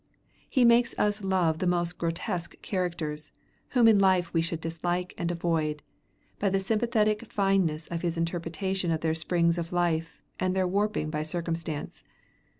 He makes us love the most grotesque characters, whom in life we should dislike and avoid, by the sympathetic fineness of his interpretation of their springs of life and their warping by circumstance.